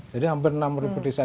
jadi hampir enam ribu desa